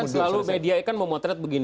ini kan selalu media ini kan memotretkan kan